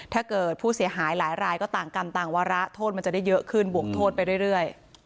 ถ้าเกิดผู้เสียหายหลายรายก็ต่างกรรมต่างวาระโทษมันจะได้เยอะขึ้นบวกโทษไปเรื่อย